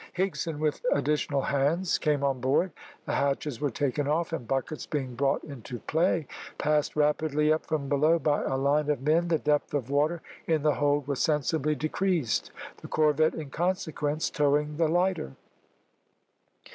Higson, with additional hands, came on board; the hatches were taken off, and buckets being brought into play, passed rapidly up from below by a line of men, the depth of water in the hold was sensibly decreased, the corvette in consequence towing the lighter.